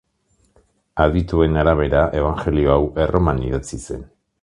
Adituen arabera ebanjelio hau Erroman idatzi zen.